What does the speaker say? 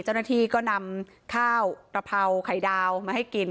เจ้าหน้าที่ก็นำข้าวกระเพราไข่ดาวมาให้กิน